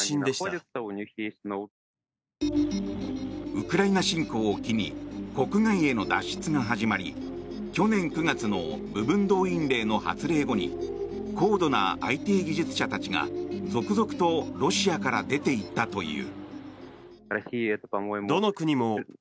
ウクライナ侵攻を機に国外への脱出が始まり去年９月の部分動員令の発令後に高度なＩＴ技術者たちが続々とロシアから出ていったという。